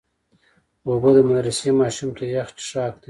اوبه د مدرسې ماشوم ته یخ څښاک دی.